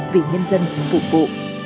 vì nhân dân phục vụ